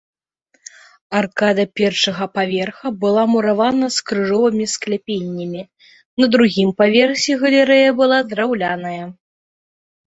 Аркада першага паверха была муравана з крыжовымі скляпеннямі, на другім паверсе галерэя была драўляная.